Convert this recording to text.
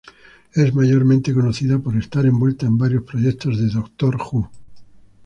Es mayormente conocida por estar envuelta en varios proyectos de "Doctor Who".